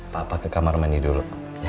papa ke kamar mandi dulu